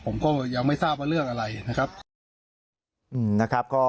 ผมก็ยังไม่ทราบว่าเรื่องอะไรนะครับ